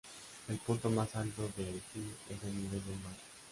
El punto más alto de Haití es al nivel del mar.